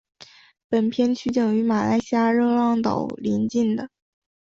本片取景于马来西亚热浪岛邻近的。